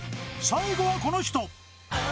最後はこの人